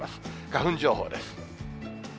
花粉情報です。